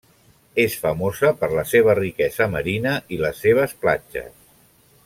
És famosa per la seva riquesa marina i les seves platges.